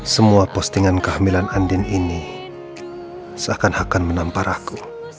semua postingan kehamilan andin ini seakan akan menampar aku